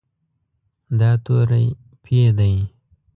دا توری "پ" دی.